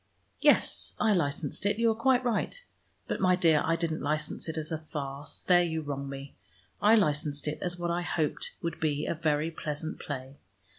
"Yes, I licensed it, you are quite right. But, my dear, I didn't license it as a farce; there you wrong me. I licensed it as what I hoped would be a very pleasant play.